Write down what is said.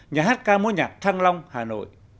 nhà hát ca múa nhạc thăng long hà nội